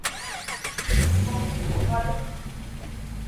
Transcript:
ลาโบราทอรี่